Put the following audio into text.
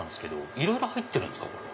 いろいろ入ってるんですか？